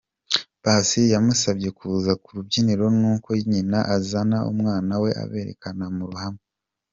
Paccy yamusabye kuza ku rubyiniro nuko nyina azana umwana we aberekana mu ruhame.